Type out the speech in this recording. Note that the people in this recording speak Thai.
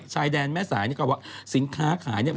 ชายแดนแม่สายนี่ก็ว่าสินค้าขายเนี่ย